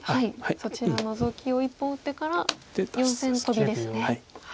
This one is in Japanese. そちらノゾキを１本打ってから４線トビですね。